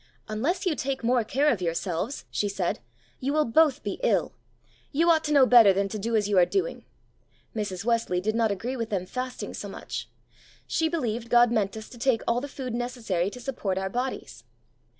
"Unless you take more care of yourselves," she said, "you will both be ill. You ought to know better than to do as you are doing." Mrs. Wesley did not agree with them fasting so much; she believed God meant us to take all the food necessary to support our bodies.